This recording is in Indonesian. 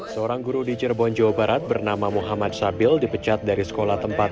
seorang guru di cirebon jawa barat bernama muhammad sabil dipecat dari sekolah tempat